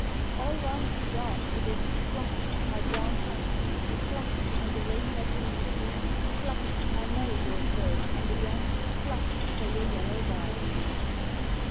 All round the yard it is cluck, my brown hen, Cluck, and the rain wet wings, Cluck, my marigold bird, and again Cluck for your yellow darlings.